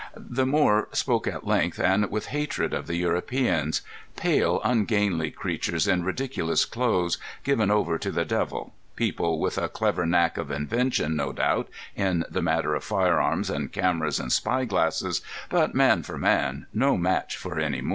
The Moor spoke at length, and with hatred, of the Europeans—pale, ungainly creatures in ridiculous clothes, given over to the devil, people with a clever knack of invention, no doubt, in the matter of firearms and cameras and spy glasses, but, man for man, no match for any Moor.